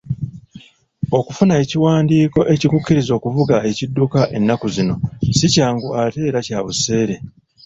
Okufuna ekiwandiiko ekikukkiriza okuvuga ekidduka ennaku zino ssi kyangu ate era kya buseere.